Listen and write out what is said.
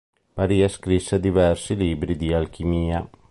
Maria scrisse diversi libri di alchimia.